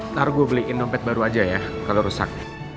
ntar gue beliin dompet baru aja ya kalau rusak